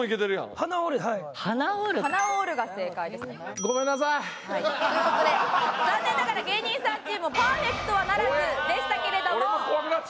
「鼻を折る」が正解でしたね。という事で残念ながら芸人さんチームパーフェクトはならずでしたけれども。